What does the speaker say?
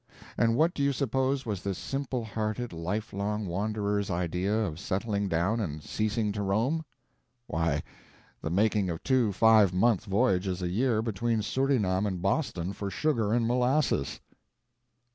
And what do you suppose was this simple hearted, lifelong wanderer's idea of settling down and ceasing to roam? Why, the making of two five month voyages a year between Surinam and Boston for sugar and molasses!